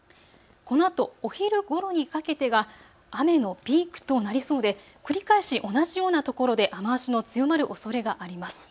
このあと、お昼ごろにかけてが雨のピークとなりそうで繰り返し同じようなところで雨足の強まるおそれがあります。